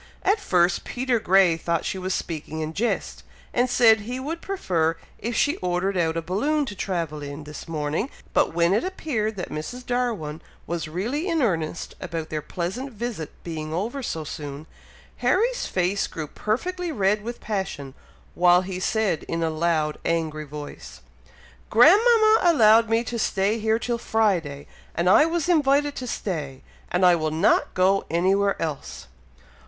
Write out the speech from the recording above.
At first Peter Grey thought she was speaking in jest, and said he would prefer if she ordered out a balloon to travel in, this morning; but when it appeared that Mrs. Darwin was really in earnest about their pleasant visit being over so soon, Harry's face grew perfectly red with passion, while he said in a loud angry voice, "Grandmama allowed me to stay here till Friday! and I was invited to stay, and I will not go anywhere else!"